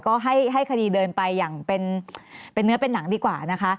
ก็ให้คดีเดินไปอย่างเป็นเนื้อเป็นหนังดีกว่านะคะ